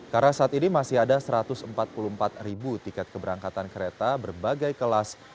karena saat ini masih ada satu ratus empat puluh empat ribu tiket keberangkatan kereta berbagai kelas